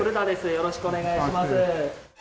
よろしくお願いします。